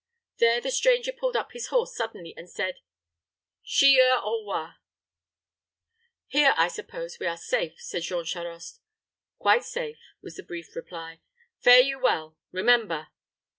There the stranger pulled up his horse suddenly, and said, "Chilleurs aux Rois." "Here, I suppose, we are safe," said Jean Charost. "Quite safe," was the brief reply. "Fare you well remember!"